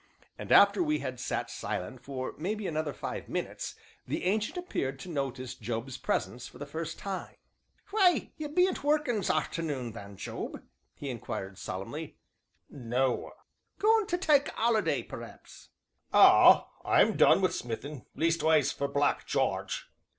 And after we had sat silent for maybe another five minutes, the Ancient appeared to notice Job's presence for the first time. "Why, you bean't workin' 's arternoon then, Job?" he inquired solemnly. "Noa!" "Goin' to tak' a 'olleyday, p'r'aps?" "Ah! I'm done wi' smithin' leastways, for Black Jarge."